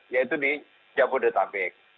yaitu di jabodetabek